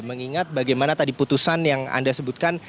mengingat bagaimana tadi putusan yang anda sebutkan